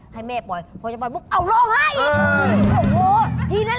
ที่แม่ปล่อยทีนี้ไปลงไปอีกไปอีก